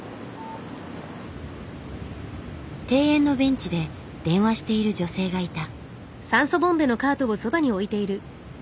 庭園のベンチで電話している女性がいた。